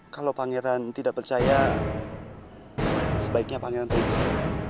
kalau pangeran tidak percaya sebaiknya pangeran periksa